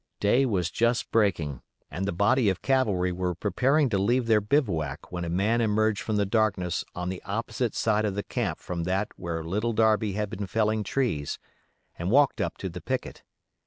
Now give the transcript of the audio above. Day was just breaking, and the body of cavalry were preparing to leave their bivouac when a man emerged from the darkness on the opposite side of the camp from that where Little Darby had been felling trees, and walked up to the picket.